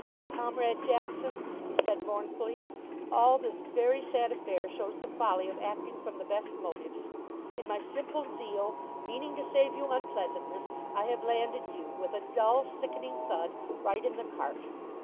"Comrade Jackson," he said mournfully, "all this very sad affair shows the folly of acting from the best motives. In my simple zeal, meaning to save you unpleasantness, I have landed you, with a dull, sickening thud, right in the cart.